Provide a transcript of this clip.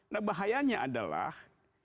nah bahayanya adalah